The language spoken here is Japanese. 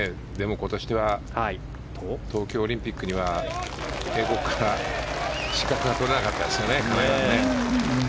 今年は東京オリンピックには米国から資格が取れなかったですね。